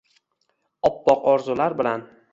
Oppoq orzular bilan